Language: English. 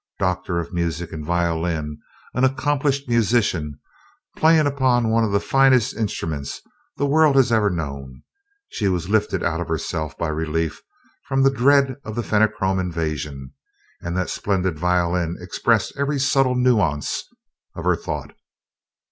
Doctor of Music in violin, an accomplished musician, playing upon one of the finest instruments the world has ever known, she was lifted out of herself by relief from the dread of the Fenachrone invasion and that splendid violin expressed every subtle nuance of her thought.